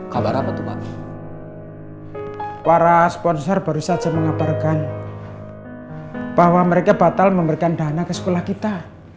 kabar apa teman para sponsor baru saja mengaparkan bahwa mereka batal memberikan dana ke sekolah kita